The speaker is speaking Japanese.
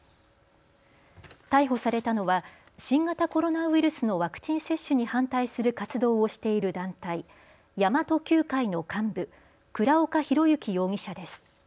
逮捕されたのは新型コロナウイルスのワクチン接種に反対する活動をしている団体、神真都Ｑ会の幹部、倉岡宏行容疑者です。